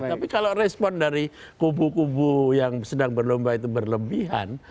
tapi kalau respon dari kubu kubu yang sedang berlomba itu berlebihan